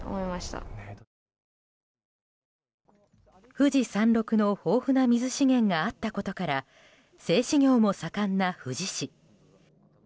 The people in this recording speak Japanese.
富士山麓の豊富な水資源があったことから製紙業も盛んな富士市。